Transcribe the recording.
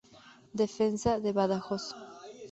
Defensa de Badajoz.